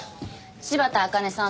柴田茜さん